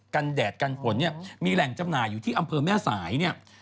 กันแดดกันฝนมีแหล่งจำนายอยู่ที่อำเภอแม่สาย